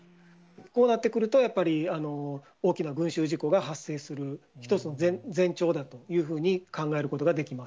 こうなってくると、やっぱり大きな群集事故が発生する一つの前兆だというふうに考え